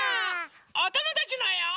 おともだちのえを。